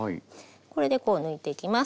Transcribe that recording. これでこう抜いていきます。